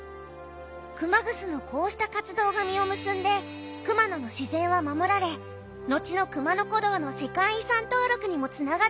熊楠のこうした活動が実を結んで熊野の自然は守られ後の熊野古道の世界遺産登録にもつながったんだにゃん。